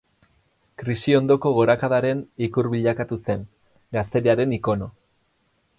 Krisi ondoko gorakadaren ikur bilakatu zen, gazteriaren ikono.